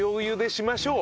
しましょう。